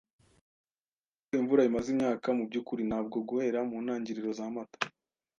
Ntabwo imvura imaze imyaka; mubyukuri, ntabwo guhera muntangiriro za Mata.